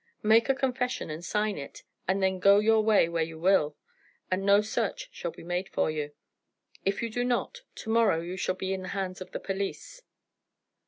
Make a confession and sign it, and then go your way where you will, and no search shall be made for you; if you do not, to morrow you shall be in the hands of the police."